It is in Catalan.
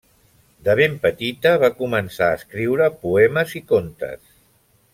De ben petita va començar a escriure poemes i contes.